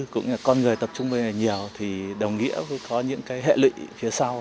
cũng như con người tập trung về nhiều thì đồng nghĩa với có những cái hệ lụy phía sau